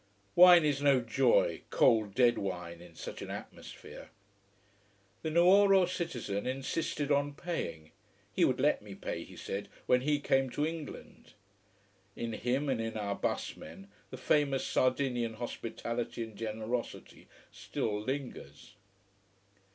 Wine is no joy, cold, dead wine, in such an atmosphere. The Nuoro citizen insisted on paying. He would let me pay, he said, when he came to England. In him, and in our bus men, the famous Sardinian hospitality and generosity still lingers.